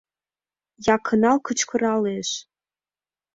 Якынлан кычкыралеш: